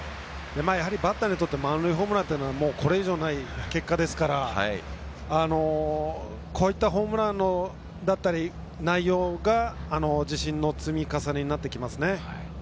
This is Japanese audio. バッターにとって満塁ホームランというのはこれ以上ない結果ですからこういったホームランだったり内容が自信の積み重ねになっていきますね。